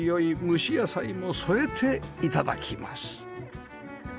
蒸し野菜も添えて頂きます